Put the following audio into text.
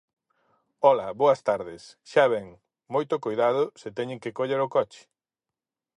Ola, boas tardes, xa ven: moito coidado se teñen que coller o coche.